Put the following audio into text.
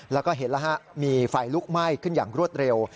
แล้วก็เห็นแล้วฮะมีไฟลุกไหม้ขึ้นอย่างรวดเร็ว